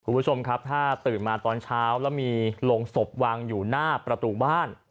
คุณผู้ชมครับถ้าตื่นมาตอนเช้าแล้วมีโรงศพวางอยู่หน้าประตูบ้าน